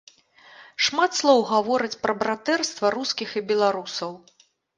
Шмат слоў гавораць пра братэрства рускіх і беларусаў.